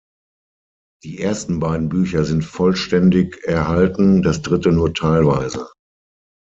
Die ersten beiden Bücher sind vollständig erhalten, das dritte nur teilweise.